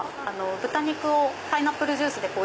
豚肉をパイナップルジュースで煮る？